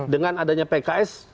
dengan adanya pks